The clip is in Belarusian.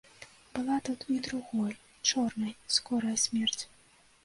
Была тут і другой, чорнай, скорая смерць.